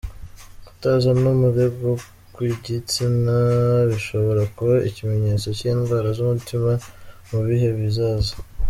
Kutazana umurego kw’igitsina bishobora kuba ikimenyetso cy’ indwara z’umutima mu bihe bizaza.